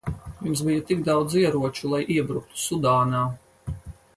Jums bija tik daudz ieroču, lai iebruktu Sudānā.